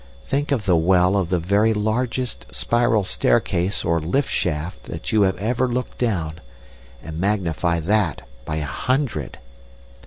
Think of the well of the very largest spiral staircase or lift shaft that you have ever looked down, and magnify that by a hundred.